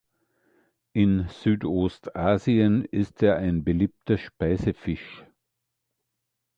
In Südostasien ist er ein beliebter Speisefisch.